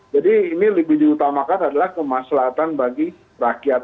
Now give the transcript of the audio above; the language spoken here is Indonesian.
jadi ini lebih diutamakan adalah kemaslahatan bagi rakyat